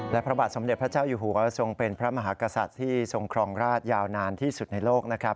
และพระบาทสมเด็จพระเจ้าอยู่หัวทรงเป็นพระมหากษัตริย์ที่ทรงครองราชยาวนานที่สุดในโลกนะครับ